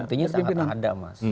buktinya sangat ada mas